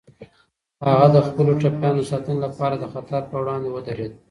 هغه د خپلو ټپيانو د ساتنې لپاره د خطر په وړاندې ودرید.